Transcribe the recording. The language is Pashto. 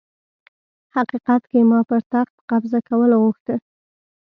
حقيقت کي ما پر تخت قبضه کول غوښته